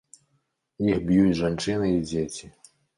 Іх б'юць жанчыны і дзеці.